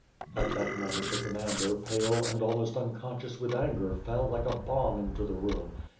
At that moment, the commander, pale and almost un conscious with anger, fell like a bomb into the room.